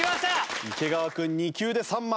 池川君２球で３枚。